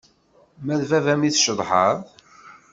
Ma d baba-m i tcedhaḍ?